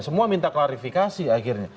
semua minta klarifikasi akhirnya